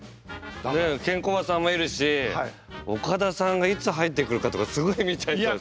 ねえケンコバさんもいるし岡田さんがいつ入ってくるかとかすごい見ちゃいそうですね。